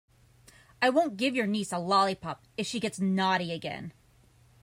I won't give your niece a lollipop if she gets naughty again.